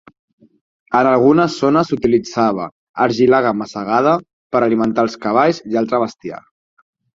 En algunes zones s'utilitzava argilaga masegada per alimentar els cavalls i altre bestiar.